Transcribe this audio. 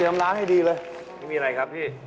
มีอะไรครับพี่